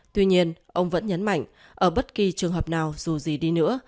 tuy nhiên ông vẫn nhấn mạnh ở bất kỳ trường hợp nào dù gì đi nữa